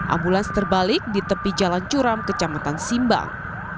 ambulans terbalik di tepi jalan curam kecamatan simbang